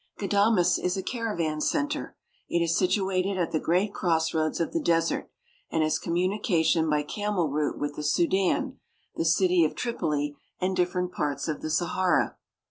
Ghadames is a caravan center. It is situated at the great crossroads of the desert, and has communication by camel route with the Sudan, the city of Tripoli, and differ ent parts of the Sahara.